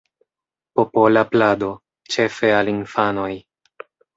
Popola plado, ĉefe al infanoj.